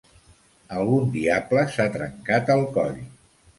Algun diable s'ha trencat el coll.